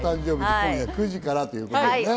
今夜９時からということですね。